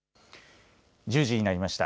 １０時になりました。